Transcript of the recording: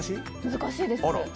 難しいです。